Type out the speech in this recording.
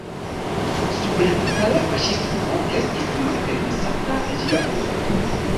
Sub la itala faŝismo estis malpermesata ĝia uzo.